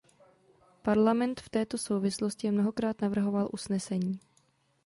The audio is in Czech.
Parlament v této souvislosti mnohokrát navrhoval usnesení.